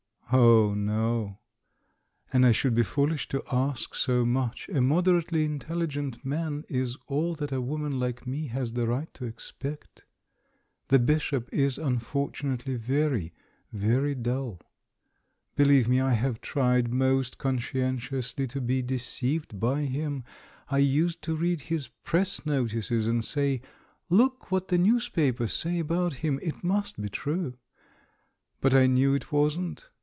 *'Oh, no! And I should be foolish to ask so much — a moderately intelligent man is all that a woman like me has the right to expect. The Bishop is unfortunately very, very dull. Believe me, I have tried most conscientiously to be de ceived by him. I used to read his Press notices and say, 'Look what the newspapers say about him — it must be true!' But I knew it wasn't.